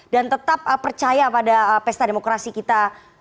dan tetap percaya pada pesta demokrasi kita